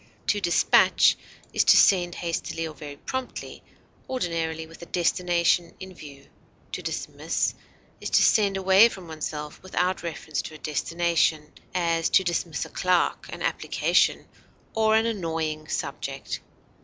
To despatch is to send hastily or very promptly, ordinarily with a destination in view; to dismiss is to send away from oneself without reference to a destination; as, to dismiss a clerk, an application, or an annoying subject.